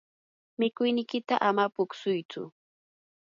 mikuynikiyta ama puksuytsu.